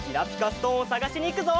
ストーンをさがしにいくぞ！